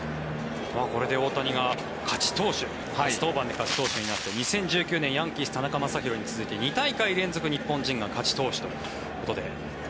これで大谷が勝ち投手初登板で勝ち投手になって２０１９年のヤンキースの田中将大に続いて２大会連続日本人が勝ち投手ということで。